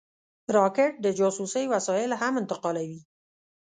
راکټ د جاسوسۍ وسایل هم انتقالوي